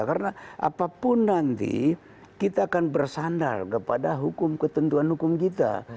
karena apapun nanti kita akan bersandar kepada hukum ketentuan hukum kita